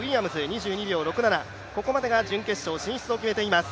２２秒６７、ここまでが準決勝進出を決めています。